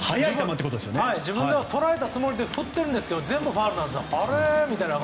自分でも捉えたつもりで振ってるんですが全部ファウルなんですよ。